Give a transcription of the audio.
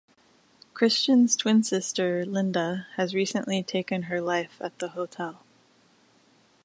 Christian's twin sister, Linda, has recently taken her life at the hotel.